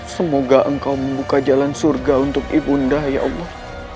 semoga engkau membuka jalan surga untuk ibunda ya allah